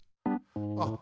あっ！